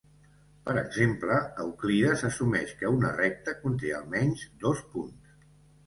Per exemple, Euclides assumeix que una recta conté almenys dos punts.